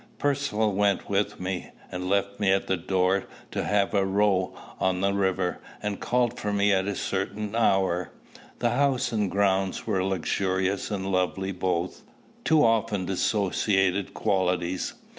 Percivale went with me, and left me at the door to have a row on the river, and call for me at a certain hour. The house and grounds were luxurious and lovely both, two often dissociated qualities.